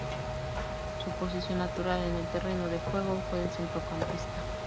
Su posición natural en el terreno de juego fue de centrocampista.